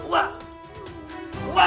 wak wak wak